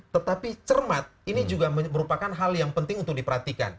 tetapi cermat ini juga merupakan hal yang penting untuk diperhatikan